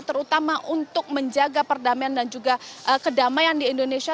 terutama untuk menjaga perdamaian dan juga kedamaian di indonesia